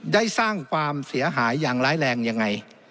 ได้สร้างความเสียหายอย่างร้ายแรงยังไง